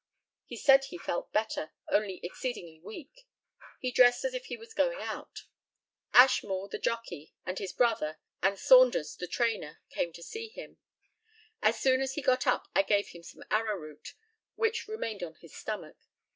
He said he felt better, only exceedingly weak. He dressed as if he was going out. Ashmall the jockey, and his brother, and Saunders the trainer, came to see him. As soon as he got up I gave him some arrowroot, which remained on his stomach.